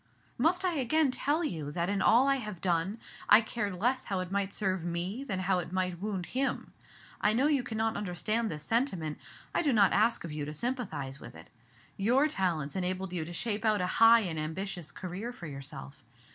"Must I again tell you that in all I have done I cared less how it might serve me than how it might wound him? I know you cannot understand this sentiment; I do not ask of you to sympathize with it. Your talents enabled you to shape out a high and ambitious career for yourself.